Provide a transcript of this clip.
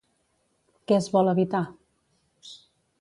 Què es vol evitar?